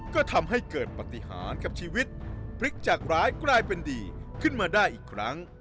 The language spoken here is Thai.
ก็ทำให้เกิดปฏิหารกับชีวิตพลิกจากร้ายกลายเป็นดีขึ้นมาได้อีกครั้ง